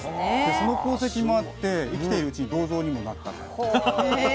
その功績もあって生きているうちに銅像にもなったと。